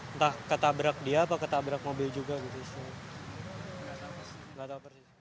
entah ketabrak dia apa ketabrak mobil juga gitu istrinya